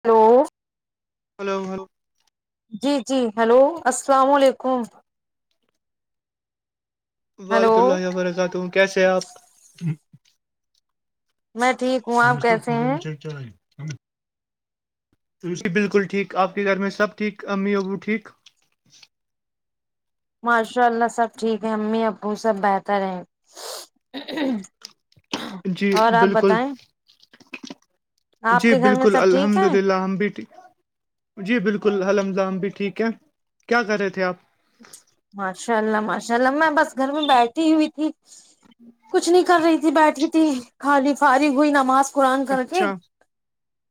hello ہلوگلو [inaudible] جی جی hello السلام علیکم ہلو وحد اللہ وبرکاتہوں کیسے آپ [inaudible] میں ٹھیک ہوں آپ اورمس کر کیسے فونوں ہیں میں چ چلائیے [inaudible] ی بالکل ٹھیک آپ کے گھر میں سب ٹھیک امی ابو ٹھیک ماشاء اللہ سب ٹھیک ہے امی ابو سب بہتر ہے جی اور آپ بالکل بتائیں آپ جی کے گھر میں بالکل سب ٹھیک الحمد ہے للہ ہم بیٹ جی بالکل ححمدام بھی ٹھیک ہے کیا کر رہے تھے آپ ماشاء اللہ ماشاء اللہ میں بس گھر میں بیٹھی ہوئی تھی جی [inaudible] کچھ نہیں کر رہی تھی بیٹھی تھی خالی پاری ہوئی نماز قرآن کر کے اچھا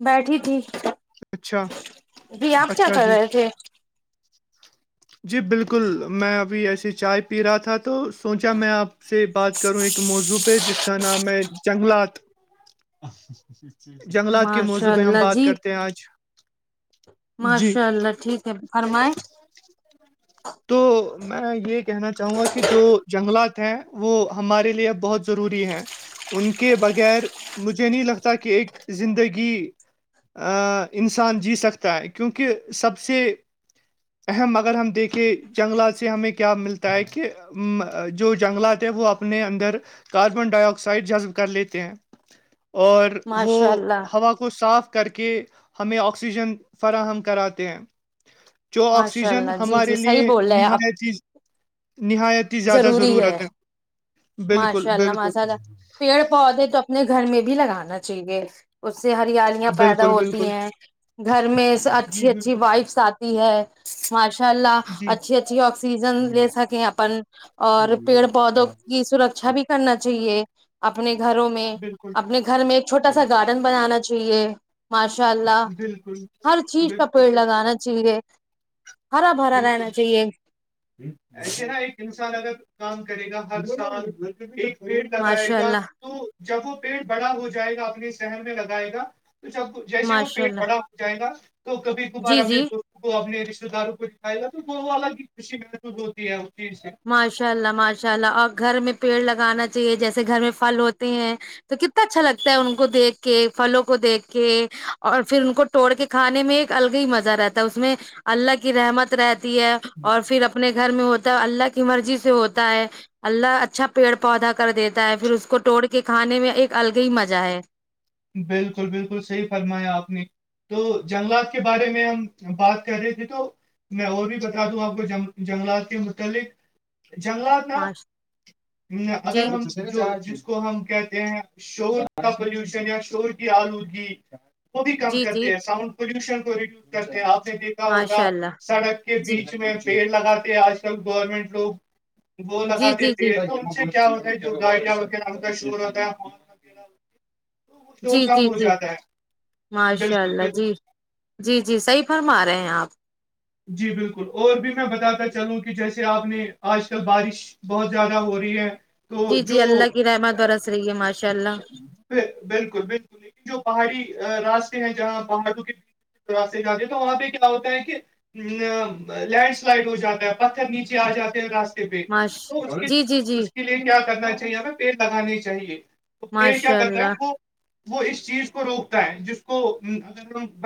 بیٹھی تھی اچھا جی آپ کیا اچھا کر جی رہے تھے جی بالکل میں ابھی ایسے چائے پی رہا تھا تو سوچا میں آپ سے بات کروں ایک موضوع پہ جس کا نام ہے جنگلات جنگلات کے ماشاء موضوع میں ہم اللہ بات جی کرتے آج جی ماشاء اللہ ٹھیک ہے فرمائ [inaudible] تو میں یہ کہنا چاہوں گا کہ جو جنگلات ہیں وہ ہمارے لیے بہت ضروری ہے ان کے بغیر مجھے نہیں لگتا کہ ایک زندگی کہ انسان جی سکتا ہے کیونکہ سب سے اہم اگر ہم دیکھ کہ جنگلات سے ہمیں کیا ملتا ہے کہ جو جنگلات ہیں وہ اپنے اندر کاربن ڈائی آکسائڈ جذب کر لیتے ہیں اور وہ ماشاء اللہ ہوا کو کو صاف کر کے ہمیں آکسیجن فراہم کراتے ہیں جو ماشاء آکسیجن اللہ جی ہمارے جی لیے صحیح بول رہے ہیں آپ نہایت ہی نہایت زیادہ ضرورت ہے بالکل ماشاء اللہ بالکل ماشاء اللہ پیڑ پودے تو اپنے گھر میں بھی لگانا چاہیے اس سے ہریالی پیدا بالکل ہوتی بالکل ہیں گھر میں جی اچھی اچھی بالکل وائفس آتی ہے ماشاء اللہ جی اچھی اچھی آکسیجن لے سکیں اپن اور پیڑ پودوں کی سرکشا بھی کرنا چاہیے اپنے گھروں بالکل اپنے گھر میں ایک چھوٹا سا گارڈن بنانا چاہیے ماشاء اللہ بالکل ہر چیز کا بالکل پیڑ بالکل لگانا چاہیے ہرا بھرا رہنا بالکل چاہیے ایسے نا ایک انسان اگر کام کرے گا ہر سال ایک پیڑ لگائے ماشاء گا اللہ تو جب وہ پیٹ بڑا ہو جائے گا اپنے شہر میں لگائے گا تو جب جیسے وہ ماشاء پیٹ اللہ بڑا جائے گا تو کبھی کبر جی اپنے جی دوست کو اپنے رشتے داروں کو پہلے تو وہ الگ ہی خوشی محسوس ہوتی ہے اس چیز سے ماشاء اللہ ماشاء اللہ اور گھر میں پیڑ لگانا چاہیے جیسے گھر میں پھل ہوتے ہیں تو کتنا اچھا لگتا ہے ان کو دیکھ کے پھلوں کو دیکھ کے اور پھر ان کو توڑ کے کھانے میں ایک الگ ہی مزہ رہتا ہے اس میں اللہ کی رحمت رہتی ہے اور پھر اپنے گھر میں ہوتا ہے اللہ کی مرضی سے ہوتا ہے اللہ اچھا پیڑ پودا کر دیتا ہے پھر اس کو توٹڑ کے کھانے میں ایک الگے ہی مزہ ہے بالکل بالکل صحیح فرمایا آپ نے تو جنگلات کے بارے میں ہم بات کر رہے تھے تو میں اور بھی بتا دوں آپ کو جنگلات کے متعلق جنگلات ماش نا جی اگر ہم جس کو ہم کہتے ہیں شور کا پولوشن یا شور کی آلودگی وہ بھی کم جی جی کرتے ہیں ساؤنڈ پولوشن کو ریڈیوز کرتے ہیں آپ نے دیکھا ماشاء ہوگا اللہ سڑک کے جی بیچ میں پیڑ لگاتے آج کل گورنمنٹ لوگ وہ جی لگاتے جی جی پ کیا ہوتا ہے جو [inaudible] جی شور جی کم ہو جی جاتا ہے ماشاء بالکل اللہ بالکل جی جی جی صحیح فرما رہے ہیں آپ جی بالکل اور بھی میں بتاتا چلوں کہ جیسے آپ نے آج کل بارش بہت زیادہ ہو رہی ہے جی تو جی جو اللہ کی رحمت برس رہی ہے ماشاء اللہ بالکل بالکل لیکن جو پہاڑی راستے ہیں جہاں پہاڑوں کے سے جاتے تو وہاں پہ کیا ہوتا ہے کہ ا لینڈ سلائڈ ہو جاتا ہے پتھر نیچے آ جاتے ہیں راستے پ ماش تو اس کے جی جی جی اس کے لیے کیا کرنا چاہیے ہمیں پیڑ لگانے چاہیے پیڑ کیا ماشاء کہتا ہے اللہ وہ وہ اس چیز کو روکتا ہے جس کو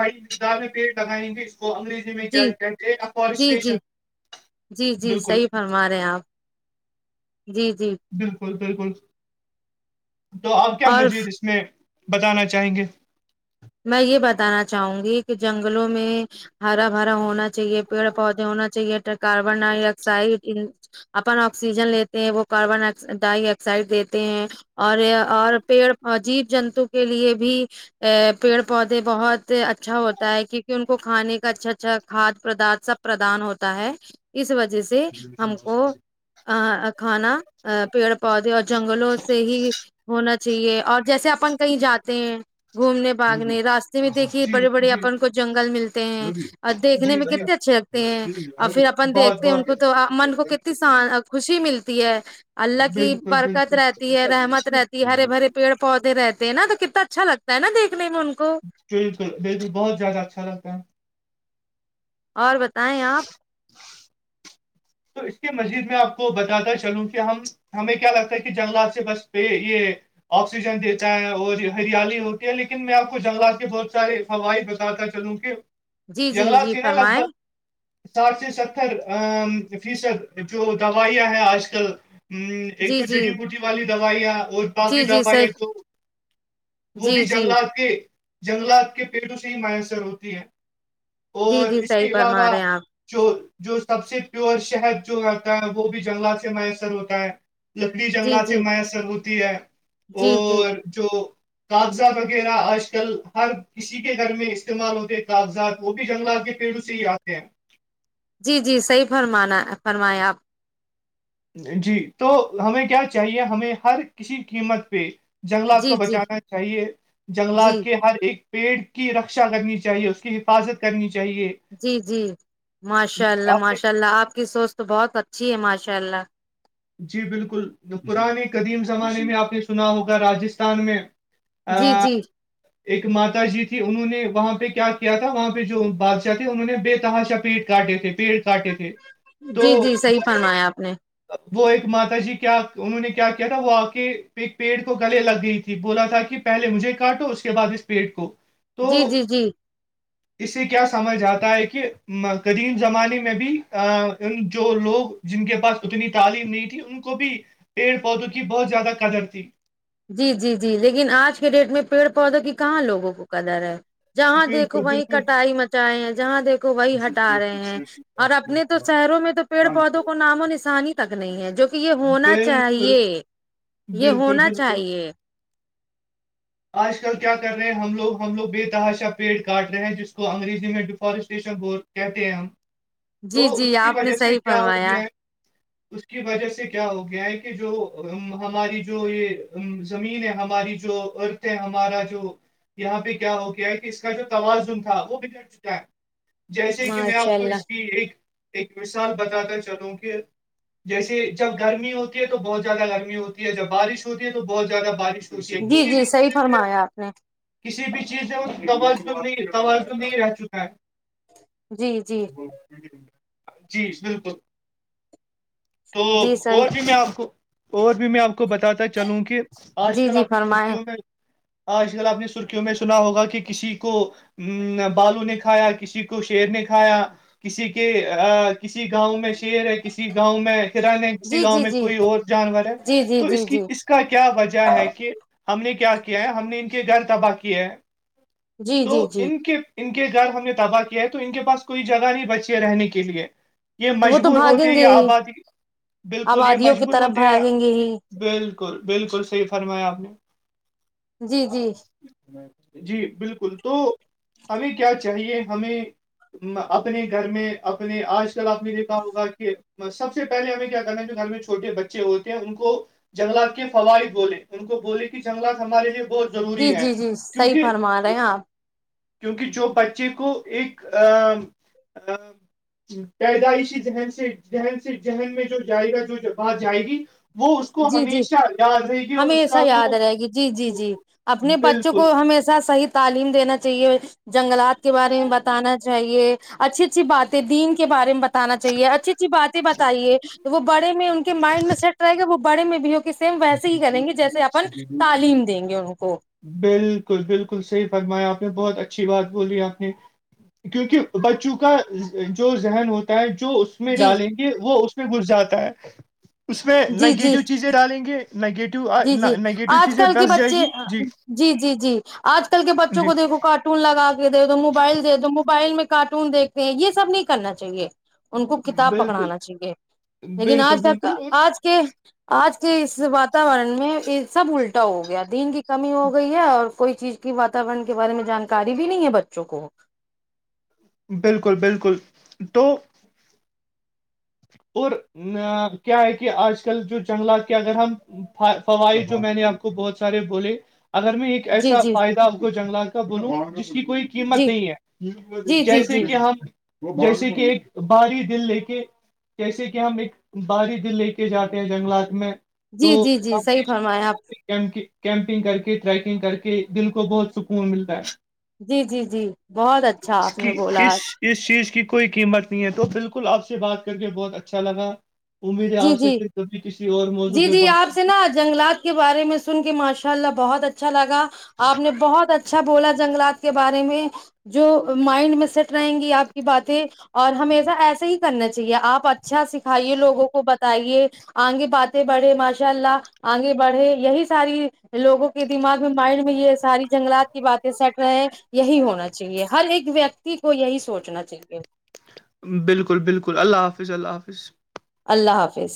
بڑ زدہ پیڑ لگائیں گے اس کو انگریز جائ جی کم گ جی جی ایفارسٹیریشن جی جی بالکل صحیح فرما رہے ہیں آپ جی جی بالکل بالکل تو آپ کیا اور مزید اس میں بتانا چاہیں گے میں یہ بتانا چاہوں گی کہ جنگلوں میں ہرا بھرا ہونا چاہیے پیڑ پودے ہونا چاہیے کاربن ڈائی آکسائڈ اپن آکسیجن لیتے ہیں وہ کاربن ڈائی آکسائڈ دیتے ہیں اور اور پیڑ جیب جنتو کے لیے بھی ا پیڑ پودے بہت اچھا ہوتا ہے کیونکہ ان کو کھانے کا اچھا اچھا کھاد پادرت سب پردان ہوتا ہے اس وجہ سے ہم کو کھانا پیڑ پودے اور جنگلوں سے ہی ہونا چاہیے اور جیسے اپن کہیں جاتے ہیں گھومنے نے باگنے راستے میں دیکھیے جی بڑے بڑے جی اپن کو جنگل ملتے ہیں اور دیکھنے جی میں جی کتنے اچھے ل ہیں اور پھر اپن بہت دیکھتے ہیں ان بہت کو تو من کو کتنی خوشی ملتی ہے اللہ بالکل کی بالکل برکت رہتی ہے رحمت بالکل رہتی ہرے بھرے پیڑ پودے رہتے ہیں نا تو کتنا اچھا لگتا ہے نا دیک نے میں انکو بل بلکل بلکل بہت زیادہ اچھا لگتا ہے اور بتایئے آپ تو اس کے مزید میں آپ کو بتاتا چلوں کہ ہم ہمیں کیا لگتا ہے کہ جنگلات سے بس پہ یہ آکسیجن دیتا ہے اور ہریالی ہوتی ہے لیکن میں آپ کو جنگلات کے بہت سارے ہائی بتاتا چلوں کہ جی جی جنگلات جی تھی نا لگ فرمائیں بھگ ساٹھ سے ستر ا فیصد جو دوائیاں ہیں آج کل ہ ایک جی تو جی چٹیی بٹی والی دوائییاں اور بقی جی جی دوائ ہے صحیح تو وہ بھی جی جی جنگلات کے جنگلات کے پیڑوں سے ہی میسر ہوتی ہے جی اور جی اس کے صحیح فرما علاوہ رہے ہیں آپ جو جو سب سے پیور شہد جو آتا ہے وہ بھی جنگلات سے میسر ہوتا ہے لکڑی جی جنگلات سے جی میسر ہوتی ہے جی جی اور جو کاغذات وغیرہ آج کل ہر کسی کے گھر میں استعمال ہوتے کاغذات کو بھی جنگلات کے پھر اسی آیادتے ہیں جی جی صحیح فرمانا فرمایا آپ جی تو ہمیں کیا چاہیے ہمیں ہر کسی قیمت پہ جنگلات کو جی جی بچانا چاہیے جی جنگلات کے ہر ایک پیٹ کی رکشا کرنی چاہیے اس کی حفاظت کرنی چاہیے جی جی ماشاء اللہ آپ نے ماشاء اللہ آپ کی سوچ تو بہت اچھی ہے ماشاء اللہ جی بالکل پرانے قدیم زمانے میں آپ نے سنا ہوگا راجستھان میں ہ جی جی ایک ماتا جی تھی انہوں نے وہاں پہ کیا کیا تھا وہاں پہ جو بادشاہ تھے انہوں نے بے تہا چپیٹ کاٹے تھے پیڑ کاٹے تھے تو بناایا آپ نے وہ ایک ماتا جی کیا انہوں نے کیا کیا تھا وہ آ کے ایک پیڑ کو گلے لگ گئی تھی بولا تھا کہ پہے مجھے کاٹو اس کے بعد اس پیٹ کو تو جی جی جی اسے کیا سمجھ آتا ہے کہ قدیم زمانے میں بھی ان جو لوگ جن کے پاس اتنی تعلیم نہیں تھی ان کو بھی پیڑ پودوں کی بہت زیادہ قدر تھی جی جی لیکن اج کے ڈیٹ میں پیڑ پودوں کی کہاں لوگوں کو کلر ہے جہاں دیکھو بالکل وہیں بالکل کٹائی مچائے ہیں جہاں کو بھئی ہٹا رہے ہیں اور اپنے تو سیروں میں تو پیڑ پودوں کو نام و نسانی تک نہیں ہے جو کہ یہ ہونا بالکل چاہیے یہ بالکل ہونا بالکل چاہیے اج کل کیا کر رہے ہیں ہم لوگ ہم لوگ بے تحاشہ پیٹ کاٹنا ہے جس کو انگریزی میں سفارش کہتے ہیں ہم جی تو جی اس کی اپ نے وجہ سے صحیح کیا ہو فرمایا گیا اس کی وجہ سے کیا ہو گیا ہے کہ جو ہماری جو یہ زمین ہے ہماری جو ہمارا جو یہاں پہ کیا ہو گیا ہے اس کا جو تماسن تھا جیسے کہ میں ماشاء اپ کو اللہ اس کی ایک مثال بتاتا چلوں کہ جیسے جب گرمی ہوتی ہے تو بہت زیادہ گرمی ہوتی ہے جب بارش ہوتی ہے تو بہت زیادہ بارش ہوتی ہے جی کسی جی بھی صحیح چیز میں فرمایا اپ نے کسی بھی چیز سے وہ کم از کم نہیں رہتی ہاں جی جی جی بالکل تو جی صحیح اور بھی میں اپ کو اور بھی میں اپ کو بتاتا چلوں کہ اج جی کل جی اپ اس کو فرمائیں کیوں ہوتا ہے اج کل اپ ترکیوں میں سنا ہوگا کہ کسی کو بالوں نے کھایا کسی کو شیر نے کھایا اسی کے کسی گاؤں میں شیر ہے کسی گاؤں میں اسی جی گاؤں جی میں جی کوئی اور جانور ہے جی جی تو جی اس کی جی اس کا کیا وجہ ہے کہ ہم نے کیا کیا ہے ہم نے ان کے گھر تباہ کیا ہے جی تو جی جی ان کے ان کے گھر ہم نے دعوی کیا ہے تو ان کے پاس کوئی جگہ ہی بچے رہنے کے لیے یہ وہ تو مشہور ہوتی ہے بھاگیں کہ گے ہی ابادی بالکل یہ آبادیوں کی مشہور طرف ہوتے ہیں بھاگیں گے ہی بالکل بالکل صحیح فرمایا جی جی جی بالکل تو ہمیں کیا چاہیے ہمیں اپنے گھر میں اپنے آج کل آپ نے دیکھا ہوگا کہ سب سے پہلے ہمیں کیا کرنا ہے جو گھر میں چھوٹے بچے ہوتے ہیں ان کو جنگلات کے فوائی بولے ان کو بول کہ جنگلات ہمارے یہ بت جی ضروری ہے جی جی صحیح کیونکہ فرما رہے ایک ہیں آپ کیونکہ جو بچے کو ایک پیدائشی ذہن سے ذہن سے ذہن میں جو جائے گا جو بات جائے گی وہ اس کو جی جی ہمیشہ یاد رہے گی اور اس کا ہمیشہ یاد وہ رہے گی جی جی جی اپنے بچوں بالکل کو ہمیشہ صحیح تعلیم دینا چاہیے جنگلات کے بارے میں بتانا چاہیے اچھی اچھی باتیں دین کے بارے میں بتانا چاہیے اچھی ا ا باتیں بتائیے تو وہ بڑے میں ان کے مائنڈ میں سیٹ رہے گا وہ بڑے میں بھی ہو سم ویسے ہی کریں گے جیسے اپن تعلیم دیں گے ان کو بالکل بالکل صحیح فرمایا آپ نے بہت اچھی بات بولی آپ نے کیونکہ بچوں کا جو ذہن ہوتا ہے جو میں جی ڈالیں گے وہ اس میں گھس جاتا ہے اس میں جی جی نگیٹو چیزیں ڈالیں گے نگیٹو جی جی نگیٹو آج چیزیں کل کے بس جائے بچے گی جی جی جی آج کل کے بچوں جی، کو دیکھو کاٹ کارٹون لگا کے دے دو موبائل دے دو موبائل میں کارٹون دیکھتے ہیں یہ سب نہیں کرنا چاہیے ان کو کتاب بالکل، پکڑانا چاہیے لیکن آج بالکل، تک بالکل اور آج کے آج کے اس بات وورن میں یہ سب الٹا ہو گیا دین کی کمی ہو گئی ہے اور کوئی چیز کی بات وورن کے بارے میں جانکاری بھی نہیں ہے بچوں کو بالکل بالکل تو اور کیا ہے کہ آج کل جو جنگلات کے اگر ہم فوائد جو میں نے آپ کو بہت سارے بولے اگر میں ایک جی ایسا جی فائدہ آ کو جنگلات کا بولوں جس کی کوئی قیمت جی نہیں ہے جی جی جیسے جی کہ ہم جیسے کہ ایک باری دل لے کے جیسے کہ ہم ایک بار دل لے کے جاتے ہیں جنگلات میں تو جی جی جی صحیح فرمایا آپ منگ کیمپنگ کر کے ٹریکنگ کر کے دل کو بہت سکون ملتا ہے جی جی جی بہت اچھا اس آپ نے کی بولا اس آج اس چیز کی کوئی قیمت نہیں ہے تو بالکل آپ سے بات کر کے بہت اچھا لگا امید ہے جی آپ سے جی پھر کبھی کسی اور موضوع پہ بات جنگات کے بارے میں سن کے ماشاء اللہ بہت اچھا اچھا لگا آپ نے بہت اچھا بولا جنگلات کے بارے میں جو مائنڈ میں سیٹ رہیں گی آپ کی باتیں اور ہمیشہ ایسا ہی کرنا چاہیے آپ آ اچھا سکھائیے لووں کو بتائیے آگے باتیں بڑھے ماشاء اللہ آگے بڑھے یہی ساری لوگوں کے دماغ میں مائنڈ میں یہ ساری جنگلات کی باتیں سیٹ رہے یہی ہونا چاہیے ہر ایک ویکتی کو یہی سوچنا چاہیے بالکل بالکل اللہ حافظ اللہ حافظ اللہ حافظ